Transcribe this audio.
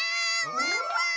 ワンワン！